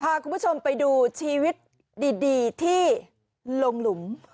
พาคุณผู้ชมไปดูชีวิตดีที่ลงหลุม